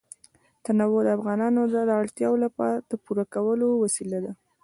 تنوع د افغانانو د اړتیاوو د پوره کولو وسیله ده.